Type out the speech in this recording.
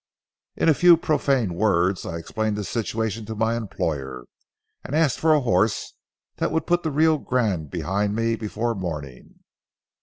In few and profane words, I explained the situation to my employer, and asked for a horse that would put the Rio Grande behind me before morning.